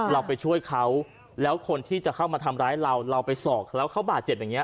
เราไปช่วยเขาแล้วคนที่จะเข้ามาทำร้ายเราเราไปสอกแล้วเขาบาดเจ็บอย่างนี้